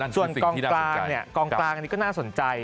ส่วนกองกลางนี้ก็น่าสนใจ